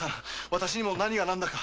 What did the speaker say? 私にも何がなんだか。